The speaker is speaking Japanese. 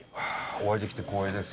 お会いできて光栄です。